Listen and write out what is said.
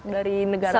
dari negara lain